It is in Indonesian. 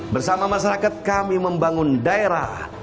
bersama masyarakat kami membangun daerah